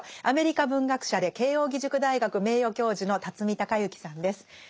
アメリカ文学者で慶應義塾大学名誉教授の孝之さんです。